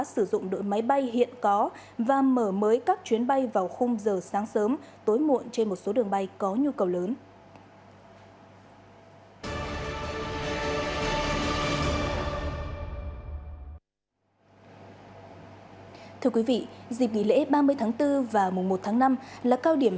sử dụng đội máy bay hiện có và mở mới các chuyến bay vào khung giờ sáng sớm tối muộn trên một số đường bay có nhu cầu lớn